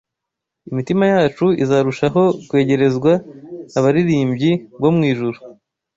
imitima yacu izarushaho kwegerezwa abaririmbyi bo mu ijuru